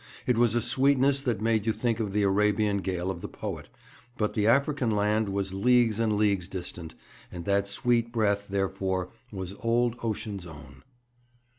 It was a sweetness that made you think of the Arabian gale of the poet, but the African land was leagues and leagues distant, and that sweet breath, therefore, was old Ocean's own.